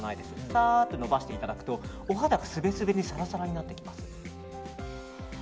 さーっとのばしていただくとお肌がすべすべでサラサラになってきます。